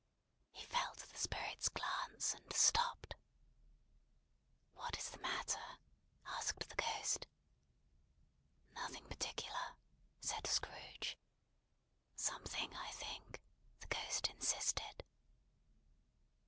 He felt the Spirit's glance, and stopped. "What is the matter?" asked the Ghost. "Nothing particular," said Scrooge. "Something, I think?" the Ghost insisted.